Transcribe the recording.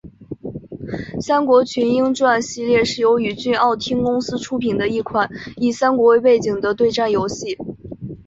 三国群英传系列是由宇峻奥汀公司出品的一款以三国为背景的对战游戏。